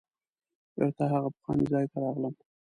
بیرته هغه پخواني ځای ته راغلم.